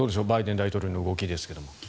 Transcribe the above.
バイデン大統領の動きですが。